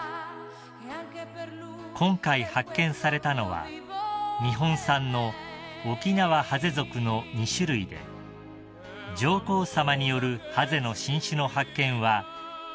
［今回発見されたのは日本産のオキナワハゼ属の２種類で上皇さまによるハゼの新種の発見は１８